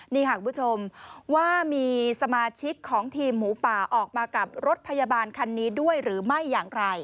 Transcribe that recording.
นี่ค่ะคุณผู้ชมว่ามีสมาชิกของทีมหมูป่าออกมากับรถพยาบาลคันนี้ด้วยหรือไม่อย่างไร